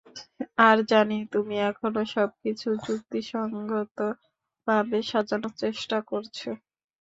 আর জানি তুমি এখনও সবকিছু যুক্তিসঙ্গতভাবে সাজানোর চেষ্টা করছো।